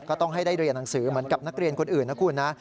ก็ต้องให้ได้เรียนหนังสือเหมือนกับนักเรียนคนอื่นนะคุณนะ